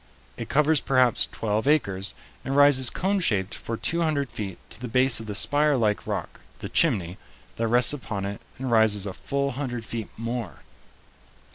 It covers perhaps twelve acres, and rises coneshaped for two hundred feet to the base of the spire like rock, the "chimney," that rests upon it and rises a full hundred feet more.